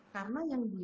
karena yang gini